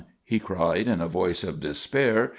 he cried in a voice of despair.